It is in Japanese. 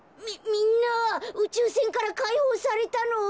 みんなうちゅうせんからかいほうされたの？